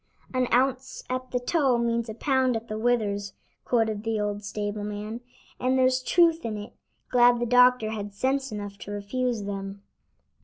"An ounce at the toe means a pound at the withers," quoted the old stable man. "And there's truth in it; glad the doctor had sense enough to refuse them."